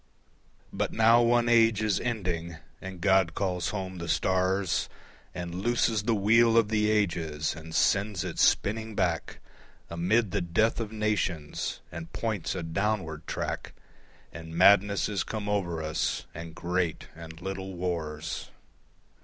But now one age is ending, and God calls home the stars And looses the wheel of the ages and sends it spinning back Amid the death of nations, and points a downward track, And madness is come over us and great and little wars.